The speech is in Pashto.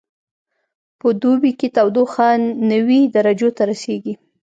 په دوبي کې تودوخه نوي درجو ته رسیږي